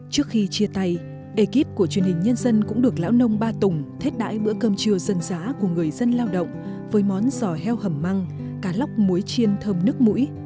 trước khi chia tay ekip của truyền hình nhân dân cũng được lão nông ba tùng hết đãi bữa cơm trưa dân giá của người dân lao động với món giò heo hầm măng cá lóc muối chiên thơm nước mũi